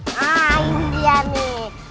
nah ini dia nih